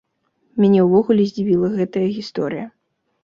Мяне ўвогуле здзівіла гэтая гісторыя.